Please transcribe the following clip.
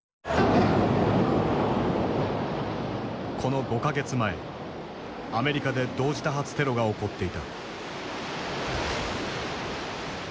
この５か月前アメリカで同時多発テロが起こっていた。